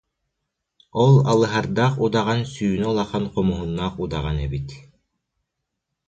Ол Алыһардаах удаҕан сүүнэ улахан хомуһуннаах удаҕан эбит